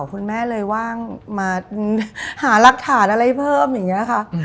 คุณแม่เลยว่างมาหารักฐานอะไรเพิ่มอย่างนี้นะคะ